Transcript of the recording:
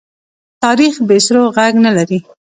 تاریخ بې سرو ږغ نه لري.